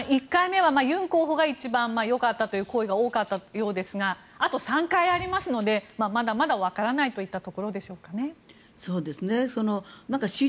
１回目はユン候補が一番よかったという声が多かったようですがあと３回ありますのでまだまだわからないといったところでしょうか。